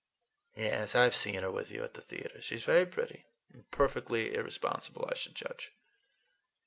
Yes, I've seen her with you at the theater. She's very pretty, and perfectly irresponsible, I should judge."